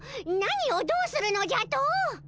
何をどうするのじゃと？